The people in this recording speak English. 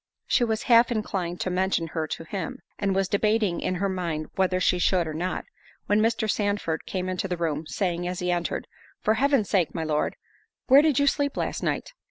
She was half inclined to mention her to him, and was debating in her mind whether she should or not, when Mr. Sandford came into the room, saying, as he entered, "For Heaven's sake, my Lord, where did you sleep last night?"